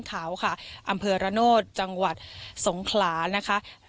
ขาวค่ะอำเภอระโนธจังหวัดสงขลานะคะ